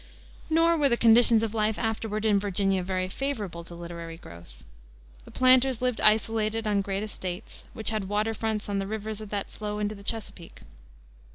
Nor were the conditions of life afterward in Virginia very favorable to literary growth. The planters lived isolated on great estates, which had water fronts on the rivers that flow into the Chesapeake.